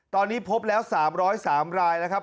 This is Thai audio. ตอนนี้พบแล้ว๓๐๓รายนะครับ